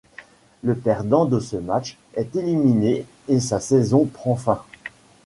Le perdant de ce match est éliminé et sa saison prend fin.